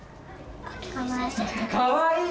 かわいい？